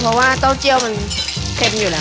เพราะว่าเต้าเจียวมันเค็มอยู่แล้ว